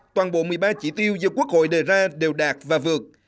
toàn bộ một mươi ba chỉ tiêu do quốc hội đề ra đều đạt và vượt